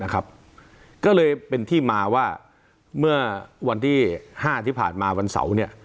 ก็เลยเป็นที่มาว่าเมื่อวันที่๕ที่ผ่านมาวันเสาร์